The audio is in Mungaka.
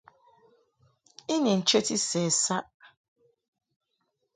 I ni nchəti sɛ saʼ.